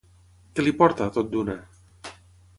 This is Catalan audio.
Què li porta, tot d'una?